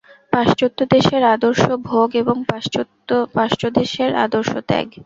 পাশ্চাত্যদেশের আদর্শ ভোগ, এবং প্রাচ্যদেশের আদর্শ ত্যাগ।